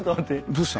どうした？